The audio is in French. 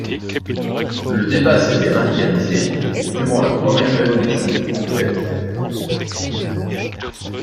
Le débat s’était radicalisé durant la Première Révolution anglaise.